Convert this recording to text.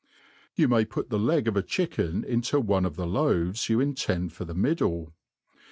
You may put the leg of' a chicken into one of thje loaves you intend for the middle.